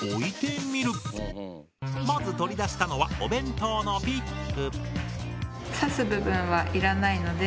まず取り出したのはお弁当のピック。